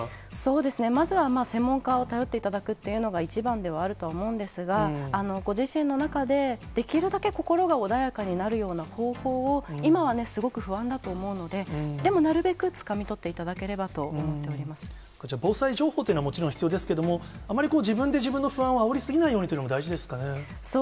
そうですね、まずは専門家を頼っていただくというのが一番ではあるとは思うんですが、ご自身の中で、できるだけ心が穏やかになるような方法を、今はね、すごく不安だと思うので、でもなるべく、つかみ取っていた防災情報というのはもちろん必要ですけれども、あまりこう、自分で自分の不安をあおり過ぎなそうですね。